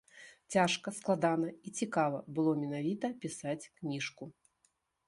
Цяжка, складана і цікава было менавіта пісаць кніжку.